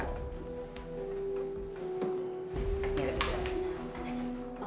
ini lebih jelas